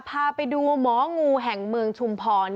พาไปดูหมองูแห่งเมืองชุมพร